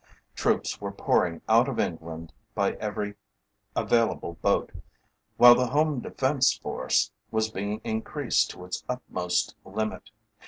Troops were pouring out of England by every available boat, while the Home Defence Force was being increased to its utmost limit.